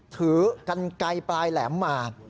ถือกันไกลปลายแหลมมา